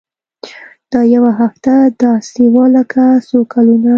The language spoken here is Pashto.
دا يوه هفته داسې وه لکه څو کلونه.